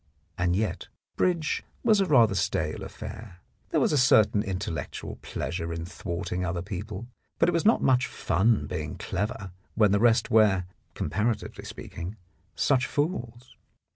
And yet bridge was rather a stale affair. There was a certain intellectual pleasure in thwarting other people, but it was not much fun being clever when the rest were, comparatively speaking, such fools.